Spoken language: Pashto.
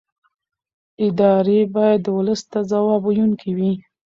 ادارې باید ولس ته ځواب ویونکې وي